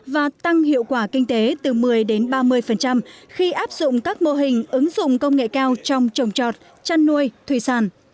và tăng hiệu quả kinh tế từ một mươi đến ba mươi khi áp dụng các mô hình ứng dụng công nghệ cao trong trồng trọt chăn nuôi thủy sản